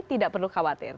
tidak perlu khawatir